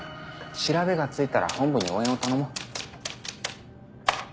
調べがついたら本部に応援を頼もう。